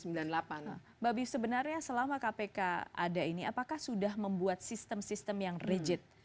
mbak bis sebenarnya selama kpk ada ini apakah sudah membuat sistem sistem yang rigid